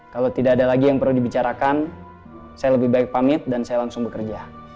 kalau tidak ada lagi yang perlu dibicarakan saya lebih baik pamit dan saya langsung bekerja